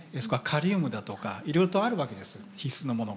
カリウムだとかいろいろとあるわけです必須のものが。